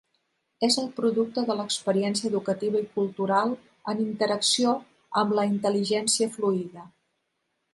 És el producte de l'experiència educativa i cultural en interacció amb la intel·ligència fluïda.